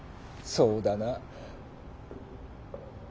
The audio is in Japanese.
そうだな。